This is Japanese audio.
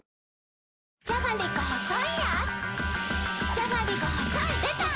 じゃがりこ細いやーつ